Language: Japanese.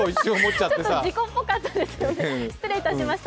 ちょっと事故っぽかったですよね、失礼しました。